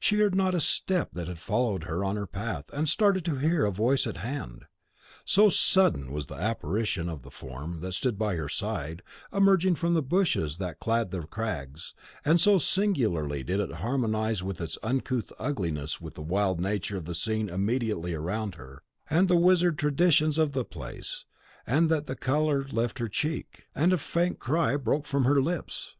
She heard not a step that had followed her on her path and started to hear a voice at hand. So sudden was the apparition of the form that stood by her side, emerging from the bushes that clad the crags, and so singularly did it harmonise in its uncouth ugliness with the wild nature of the scene immediately around her, and the wizard traditions of the place, that the colour left her cheek, and a faint cry broke from her lips.